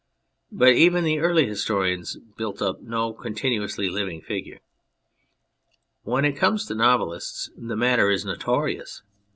But even the early historians build up no continuously living figure. When it comes to novelists the matter is notorious.